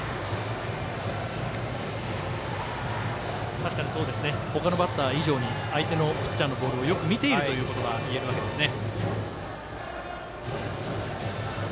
確かに他のバッター以上に相手のピッチャーのボールをよく見ているということがいえるわけですね。